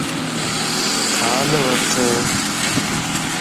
ٿال وٺ